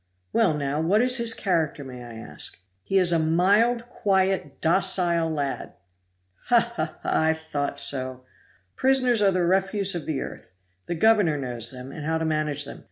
"Well, now, what is his character, may I ask?" "HE IS A MILD, QUIET, DOCILE LAD." "Ha! ha! ha! I thought so. Prisoners are the refuse of the earth. The governor knows them, and how to manage them.